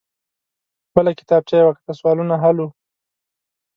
بله کتابچه يې وکته. سوالونه حل وو.